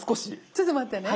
ちょっと待ってね。